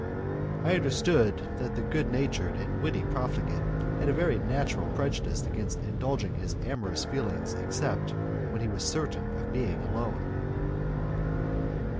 I understood that the good natured and witty profligate had a very natural prejudice against indulging his amorous feelings except when he was certain of being alone.